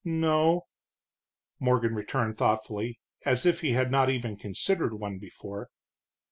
"No," Morgan returned thoughtfully, as if he had not even considered one before.